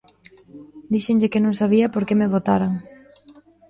Díxenlle que non sabía por que me botaran.